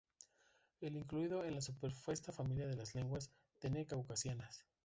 Es incluido en la supuesta familia de las lenguas dene-caucasianas.